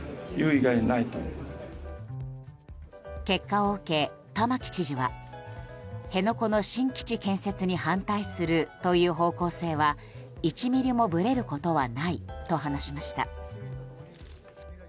結果を受け、玉城知事は辺野古の新基地建設に反対するという方向性は１ミリもぶれることはないと話しました。